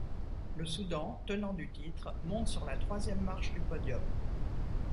Le Soudan, tenant du titre, monte sur la troisième marche du podium.